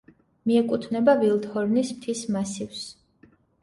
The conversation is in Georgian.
მიეკუთვნება ვილდჰორნის მთის მასივს.